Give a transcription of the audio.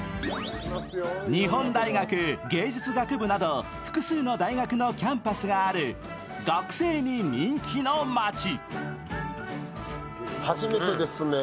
日本大学芸術学部など複数の大学のキャンパスがある学生に人気の街。